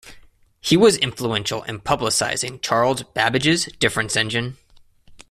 He was influential in publicising Charles Babbage's difference engine.